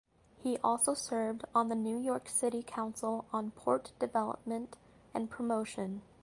He also served on the New York City Council on Port Development and Promotion.